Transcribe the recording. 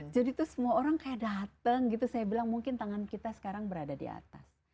jadi itu semua orang kayak dateng gitu saya bilang mungkin tangan kita sekarang berada di atas